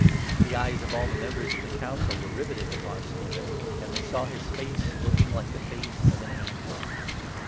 The eyes of all the members of the Council were riveted upon 15 Stephen, and they saw his face looking like the face of an angel.